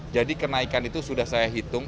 kenaikan itu sudah saya hitung